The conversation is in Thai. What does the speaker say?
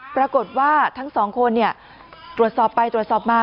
ปรากฏว่าทั้งสองคนตรวจสอบไปตรวจสอบมา